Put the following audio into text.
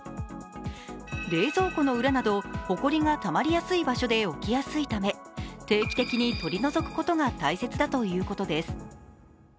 冷蔵庫の裏などほこりがたまりやすい場所で起きやすいため定期的に取り除くことが大切だということです。